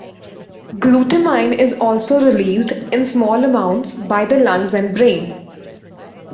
Glutamine is also released, in small amounts, by the lungs and brain.